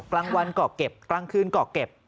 กลางวันก่อเก็บกลางคืนก่อเก็บ